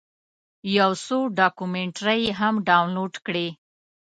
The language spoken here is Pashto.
یو څو ډاکمنټرۍ هم ډاونلوډ کړې.